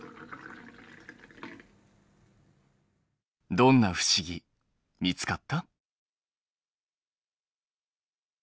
どんな不思議見つかった？